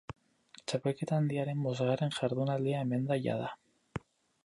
Txapelketa handiaren bosgarren jardunaldia hemen da jada.